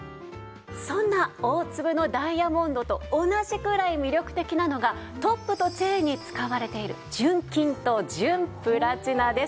そんな大粒のダイヤモンドと同じくらい魅力的なのがトップとチェーンに使われている純金と純プラチナです。